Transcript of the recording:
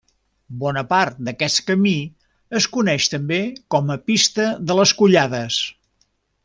Bona part d'aquest camí es coneix també com a Pista de les Collades.